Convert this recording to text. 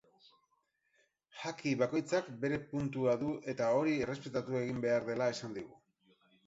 Jaki bakoitzak bere puntua du eta hori errespetatu egin behar dela esan digu.